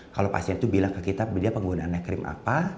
kalau pasien itu bilang ke kita dia penggunaannya krim apa